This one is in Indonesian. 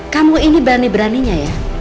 kamu ini berani beraninya ya